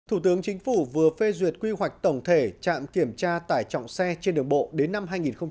thủ tướng chính phủ vừa phê duyệt quy hoạch tổng thể trạm kiểm tra tải trọng xe trên đường bộ đến năm hai nghìn ba mươi